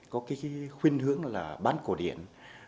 có cái khuyên hướng là bán cổ điển